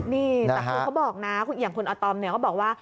นี่แต่คือเขาบอกนะอย่างคุณอาตอมเนี่ยก็บอกว่า